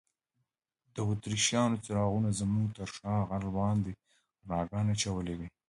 د اتریشیانو څراغونو زموږ تر شا غر باندې رڼاګانې اچولي وې.